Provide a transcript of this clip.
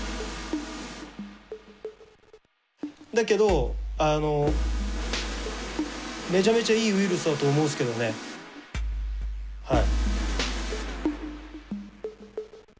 だけどめちゃめちゃいいウイルスだと思うっすけどねはい。